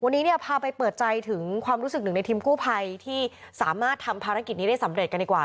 วันนี้เนี่ยพาไปเปิดใจถึงความรู้สึกหนึ่งในทีมกู้ภัยที่สามารถทำภารกิจนี้ได้สำเร็จกันดีกว่า